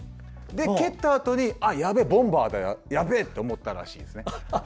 で、蹴ったあとにやべえ、ボンバーだやべえ！って思ったらしいです。